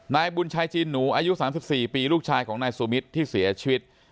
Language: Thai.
นายบุญชัยจีนหนูอายุ๓๔ปีลูกชายของนายสุมิตรที่เสียชีวิต